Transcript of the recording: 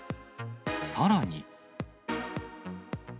さらに。